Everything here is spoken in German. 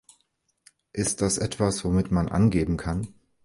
Ist das etwas, womit man angeben kann?